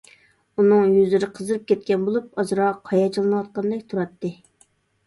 ئۇنىڭ يۈزلىرى قىزىرىپ كەتكەن بولۇپ، ئازراق ھاياجانلىنىۋاتقاندەك تۇراتتى.